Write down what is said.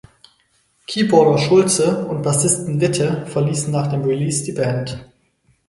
Keyboarder Schulze und Bassisten Witte verließen nach dem Release die Band.